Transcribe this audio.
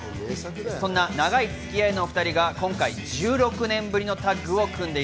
そんな長いつき合いのお２人が今回１６年ぶりのタッグを組んでい